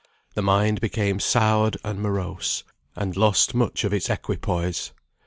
The mind became soured and morose, and lost much of its equipoise.